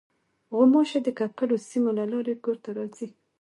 غوماشې د ککړو سیمو له لارې کور ته راځي.